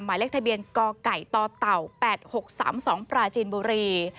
หมายเลขทะเบียนกไก่ต่อเต่า๘๖๓๒ปราจีนบุรี